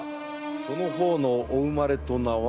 その方のお生まれと名は？